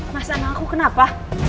mas anak aku kenapa